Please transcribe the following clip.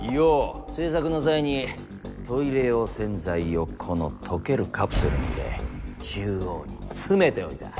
製作の際にトイレ用洗剤をこの溶けるカプセルに入れ中央に詰めておいた。